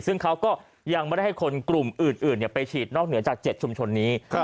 ซึ่งเขาก็ยังไม่ได้ให้คนกลุ่มอื่นไปฉีดนอกเหนือจาก๗ชุมชนนี้